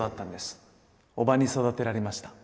叔母に育てられました。